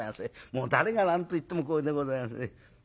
もう誰が何と言ってもこれでございます。